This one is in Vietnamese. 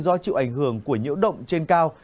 do chịu ảnh hưởng của nhiễu động trên cao